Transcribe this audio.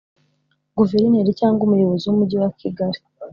guverineri cyangwa umuyobozi w’umujyi wa kigali